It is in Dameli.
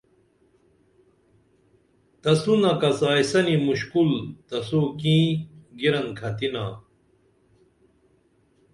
تسونہ کڅائیسنی مُشکُل تسوکیں گِیرن کھتِنا